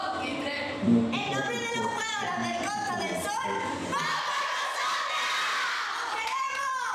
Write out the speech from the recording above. The official pretext of this decision was health problems.